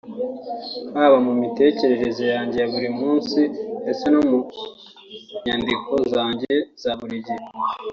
haba mu mitekerereze yanjye ya buri munsi ndetse no mu nyandiko zanjye za buri gihe